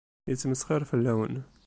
Yettmesxiṛ fell-awen.